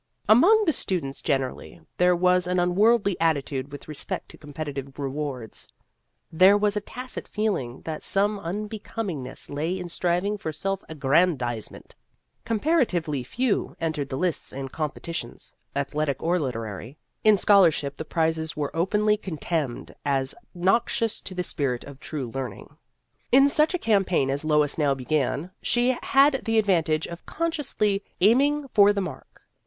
Among the students generally there was an unworldly attitude with respect to competitive rewards ; there was a tacit feeling that some unbecomingness lay in striving for self aggrandizement. Com paratively few entered the lists in compe titions athletic or literary ; in scholarship the prizes were openly contemned as nox ious to the spirit of true learning. In such a campaign as Lois now began, she had the advantage of consciously aiming for the mark.